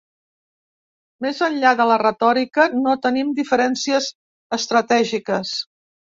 Més enllà de la retòrica, no tenim diferències estratègiques.